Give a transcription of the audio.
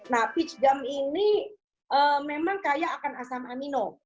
nah peach gum ini memang kaya akan asam amino